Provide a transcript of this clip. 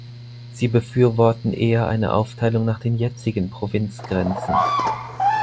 Sie befürworten eher eine Aufteilung nach den jetzigen Provinzgrenzen.